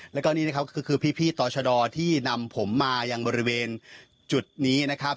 แล้วก็นี่นะครับก็คือพี่ต่อชะดอที่นำผมมายังบริเวณจุดนี้นะครับ